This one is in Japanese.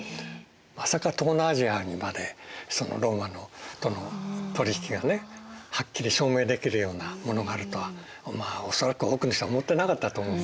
まさか東南アジアにまでそのローマとの取り引きがねはっきり証明できるようなものがあるとはまあ恐らく多くの人は思ってなかったと思うんですね。